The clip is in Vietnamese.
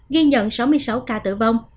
ghi nhận sáu mươi sáu ca tử vong